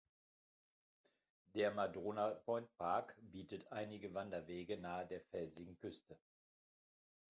Der Madrona-Point-Park bietet einige Wanderwege nahe der felsigen Küste.